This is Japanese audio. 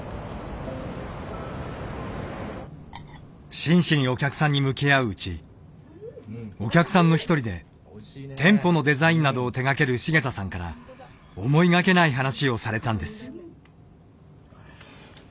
真摯にお客さんに向き合ううちお客さんの一人で店舗のデザインなどを手がける繁田さんから思いがけない話をされたんです。